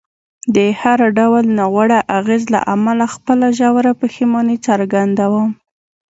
د هر ډول ناوړه اغېز له امله خپله ژوره پښیماني څرګندوم.